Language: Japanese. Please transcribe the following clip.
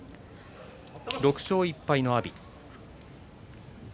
６勝１敗の阿炎。